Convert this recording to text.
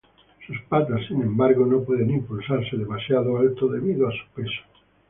Sus patas, sin embargo, no pueden impulsarse demasiado alto debido a su peso.